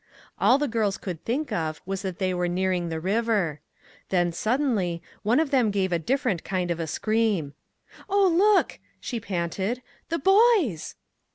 All the girls could think of was that they were nearing the river. Then, suddenly, one of them gave a different kind of a scream :" Oh, look !" she panted ;" the boys